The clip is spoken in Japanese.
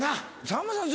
さんまさん